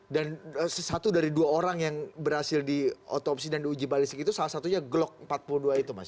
dan sesuatu dari dua orang yang berhasil diotopsi dan diuji balis itu salah satunya glock empat puluh dua itu mas